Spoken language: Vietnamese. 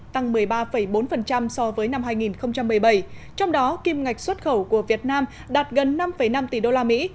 tăng một mươi ba bốn so với năm hai nghìn một mươi bảy trong đó kim ngạch xuất khẩu của việt nam đạt gần năm năm tỷ đô la mỹ